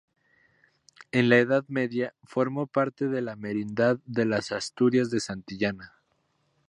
En la Edad Media, formó parte de la Merindad de las Asturias de Santillana.